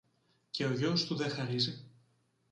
και ο γιος του δε χαρίζει.